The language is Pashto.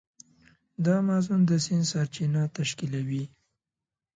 د امازون د سیند سرچینه تشکیلوي.